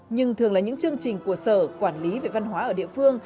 nhưng thường là những chương trình của sở quản lý về văn hóa ở địa phương